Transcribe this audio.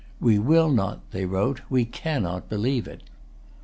"We will not," they wrote, "we cannot, believe it."